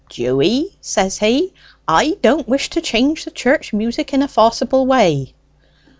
'Dewy,' says he, 'I don't wish to change the church music in a forcible way.'"